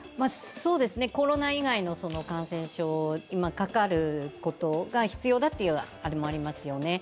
コロナ以外の感染症、今、かかることが必要だというものもありますよね。